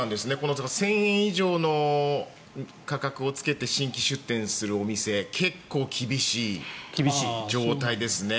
１０００円以上の価格をつけて新規出店するお店結構厳しい状態ですね。